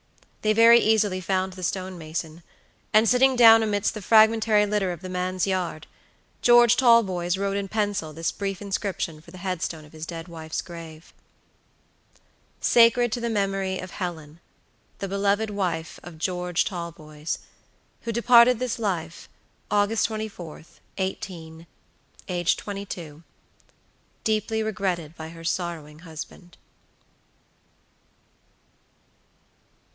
They very easily found the stonemason, and sitting down amidst the fragmentary litter of the man's yard, George Talboys wrote in pencil this brief inscription for the headstone of his dead wife's grave: Sacred to the Memory of HELEN, THE BELOVED WIFE OF GEORGE TALBOYS, "Who departed this life August 24th, 18, aged 22, Deeply regretted by her sorrowing Husband.